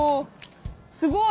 すごい！